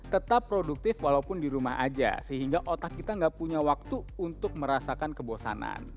tetap produktif walaupun di rumah aja sehingga otak kita nggak punya waktu untuk merasakan kebosanan